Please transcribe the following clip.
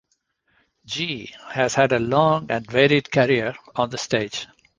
Gee has had a long and varied career on the stage.